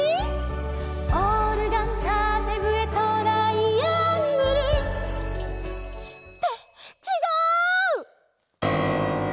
「オルガンたてぶえトライアングル」ってちがう！